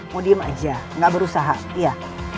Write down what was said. mau diem aja gak berusaha iya